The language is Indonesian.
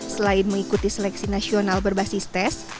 selain mengikuti seleksi nasional berbasis tes